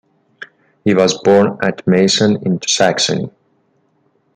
He was born at Meissen in Saxony.